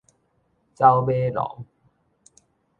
走馬廊